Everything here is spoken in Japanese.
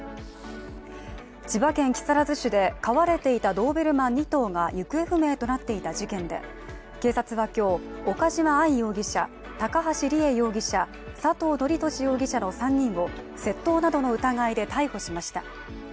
千葉県木更津市で飼われていたドーベルマン２頭が行方不明となっていた事件で警察は今日、岡島愛容疑者、高橋里衣容疑者、佐藤徳壽容疑者の３人を窃盗などの疑いで逮捕しました。